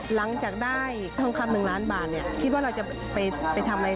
หลังจากได้ทองคำ๑ล้านบาทเนี่ยคิดว่าเราจะไปทำอะไร